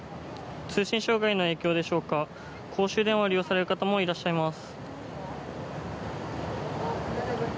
通信障害の影響でしょうか公衆電話を利用される方もいらっしゃいます。